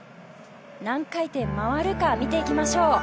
何回転回るか見ていきましょう。